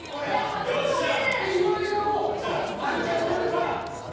岩井が、当てちゃえば。